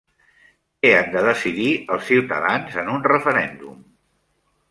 Què han de decidir els ciutadans en un referèndum?